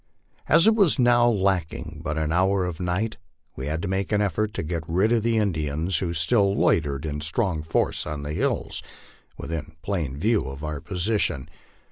As it was now lacking but an hour of night, we had to make an effort to get rid of the Indians, who still loitered in strong force on the hills, within plain view of our position.